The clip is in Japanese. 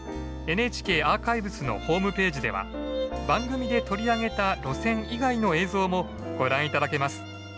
ＮＨＫアーカイブスのホームページでは番組で取り上げた路線以外の映像もご覧頂けます。